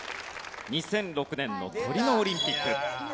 ２００６年のトリノオリンピック。